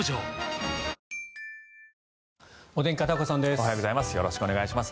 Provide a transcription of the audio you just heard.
おはようございます。